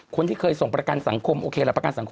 คนที่เคยส่งประกันสังคมโอเคละประกันสังคม